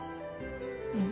うん。